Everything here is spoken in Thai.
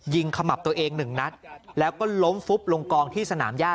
ขมับตัวเองหนึ่งนัดแล้วก็ล้มฟุบลงกองที่สนามย่า